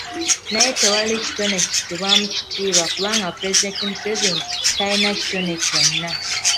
Naye tewali kitone kissibwamu kitiibwa kubanga Pulezidenti Museveni talina kitone kyonna.